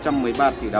cá đấm thế bây giờ